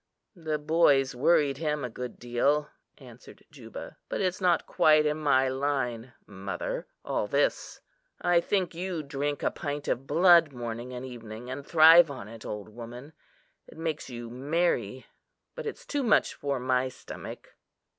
"The boys worried him a good deal," answered Juba: "but it's not quite in my line, mother, all this. I think you drink a pint of blood morning and evening, and thrive on it, old woman. It makes you merry; but it's too much for my stomach."